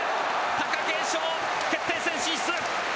貴景勝、決定戦進出。